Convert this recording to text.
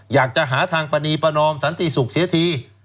อยากจะหาทางปณีประนอมสันติสุขเสียที